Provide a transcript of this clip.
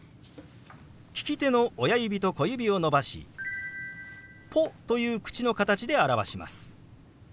利き手の親指と小指を伸ばし「ポ」という口の形で表します。